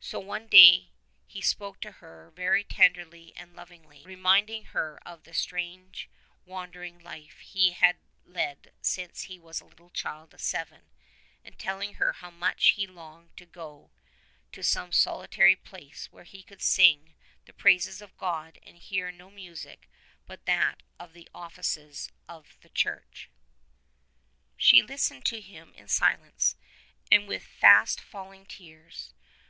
So one day he spoke to her very tenderly and lovingly, reminding her of the strange wandering life he had led since he was a little child of seven, and telling her how much he longed to go to some solitary place where he could sing 100 the praises of God and hear no music but that of the offices of the Church. She listened to him in silence and with fast falling tears.